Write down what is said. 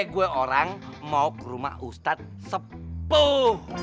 gue orang mau ke rumah ustadz sepuh